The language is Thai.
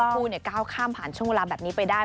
ให้ทั้งคู่เนี่ยก้าวข้ามผ่านช่วงเวลาแบบนี้ไปได้